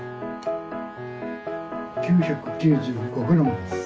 ９９５グラムです。